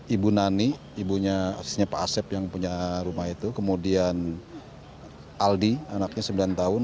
ibu nani ibunya asisnya pak asep yang punya rumah itu kemudian aldi anaknya sembilan tahun